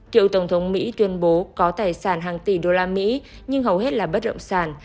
cựu tổng thống mỹ tuyên bố có tài sản hàng tỷ đô la mỹ nhưng hầu hết là bất động sản